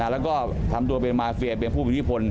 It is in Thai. แล้วก็ทำตัวเป็นมาเฟียเป็นผู้มีอิทธิพล